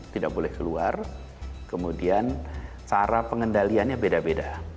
tidak boleh keluar kemudian cara pengendaliannya beda beda